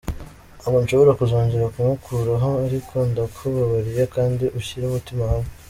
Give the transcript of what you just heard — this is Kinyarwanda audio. Ntabwo nshobora kuzongera kumukoraho, ariko ndakubabariye kandi ushyire umutima hamwe.